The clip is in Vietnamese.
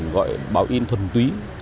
gọi báo in thuần túy